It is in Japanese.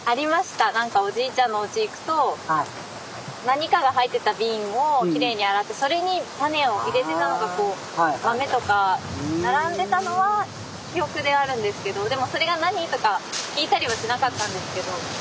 何かおじいちゃんのおうち行くと何かが入ってた瓶をきれいに洗ってそれにタネを入れてたのがこう豆とか並んでたのは記憶であるんですけどでもそれが何とか聞いたりはしなかったんですけど。